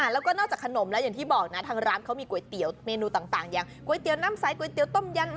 แล้วก็นอกจากขนมแล้วอย่างที่บอกนะทางร้านเขามีก๋วยเตี๋ยวเมนูต่างอย่างก๋วยเตี๋ยวน้ำใสก๋วยเตี๋ยต้มยำ